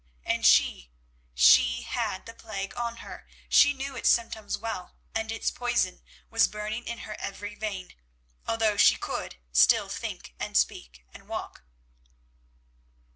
And she—she had the plague on her; she knew its symptoms well, and its poison was burning in her every vein, although she still could think and speak and walk.